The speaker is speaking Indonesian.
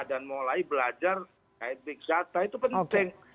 dan mulai belajar bidata itu penting